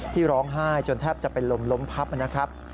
ที่ร้องไห้จนแทบจะเป็นลมล้มพับนะครับ